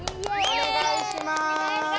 おねがいします！